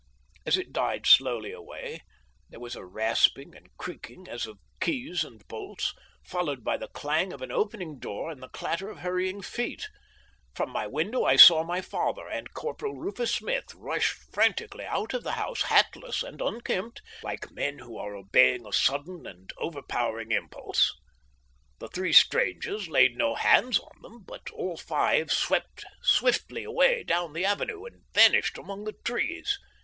"As it died slowly away, there was a rasping and creaking as of keys and bolts, followed by the clang of an opening door and the clatter of hurrying feet. From my window I saw my father and Corporal Rufus Smith rush frantically out of the house hatless and unkempt, like men who are obeying a sudden and overpowering impulse. The three strangers laid no hands on them, but all five swept swiftly away down the avenue and vanished among the trees.